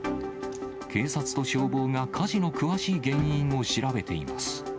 警察と消防が火事の詳しい原因を調べています。